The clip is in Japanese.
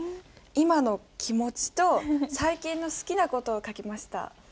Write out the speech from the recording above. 今の気持ちと最近の好きな事を書きました。